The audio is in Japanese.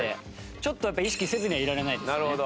ちょっとやっぱ意識せずにはいられないですね。なるほど。